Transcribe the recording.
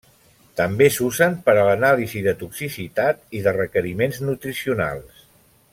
També s'usen per a l'anàlisi de toxicitat i de requeriments nutricionals.